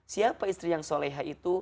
siapa istri yang soleha itu